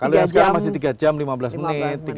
kalau yang sekarang masih tiga jam lima belas menit